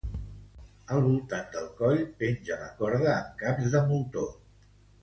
Al voltant del coll penja la corda amb caps de moltó.